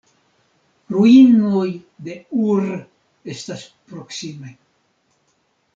Ruinoj de Ur estas proksime.